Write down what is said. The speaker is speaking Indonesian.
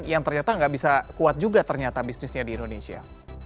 yang ternyata nggak bisa kuat juga ternyata bisnisnya di indonesia